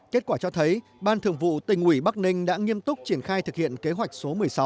kết quả cho thấy ban thường vụ tỉnh ủy bắc ninh đã nghiêm túc triển khai thực hiện kế hoạch số một mươi sáu